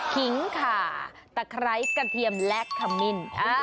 ขิงขาตะไคร้กระเทียมและขมิ้น